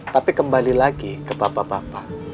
tapi kembali lagi ke bapak bapak